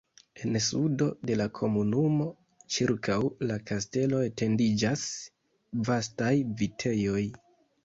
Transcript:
En sudo de la komunumo ĉirkaŭ la kastelo etendiĝas vastaj vitejoj.